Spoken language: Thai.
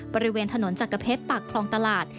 บริเวณถนนจักรเพชรปากคลองตลาด